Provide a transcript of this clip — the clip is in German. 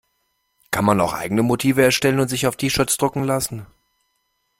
Kann man auch eigene Motive erstellen und sich aufs T-shirt drucken lassen?